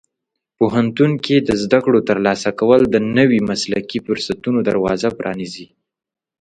پوهنتون کې د زده کړو ترلاسه کول د نوي مسلکي فرصتونو دروازه پرانیزي.